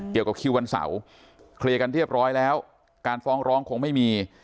เกี่ยวกับคิววันเสาร์เคลียร์กันเรียบร้อยแล้วการฟ้องร้องคงไม่มี